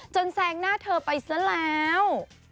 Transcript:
แซงหน้าเธอไปซะแล้ว